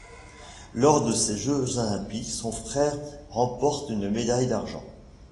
Lors de ces Jeux olympiques, son frère remporte une médaille d'argent.